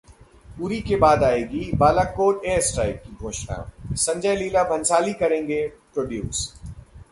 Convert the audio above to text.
उरी के बाद आएगी 'बालाकोट एयरस्ट्राइक' की घोषणा, संजय लीला भंसाली करेंगे प्रोड्यूस